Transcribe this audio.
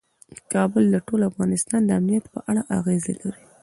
کابل د ټول افغانستان د امنیت په اړه اغېز لري.